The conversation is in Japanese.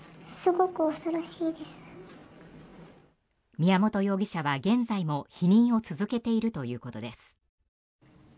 宮本容疑者は現在も否認を続けているということです。